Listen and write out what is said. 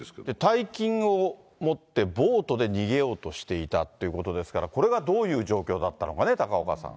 大金を持ってボートで逃げようとしていたということですから、これがどういう状況だったのかね、高岡さん。